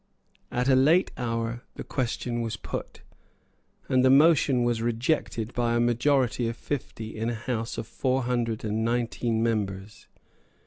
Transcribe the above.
At a late hour the question was put; and the motion was rejected by a majority of fifty in a house of four hundred and nineteen members.